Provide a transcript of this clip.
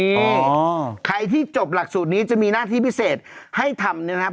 นี่ใครที่จบหลักสูตรนี้จะมีหน้าที่พิเศษให้ทำเนี่ยนะครับ